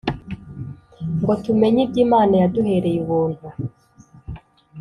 ngo tumenye ibyo Imana yaduhereye ubuntu